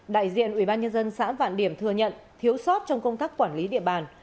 đại diện ubnd xã vạn điểm thừa nhận thiếu sót trong công tác quản lý địa bàn